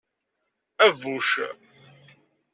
Abbuc.